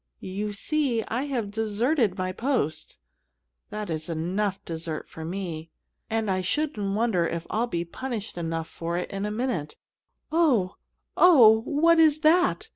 You see, I have deserted my post that is enough dessert for me, and I shouldn't wonder if I'd be punished enough for it in a minute Oh! Oh! what is that!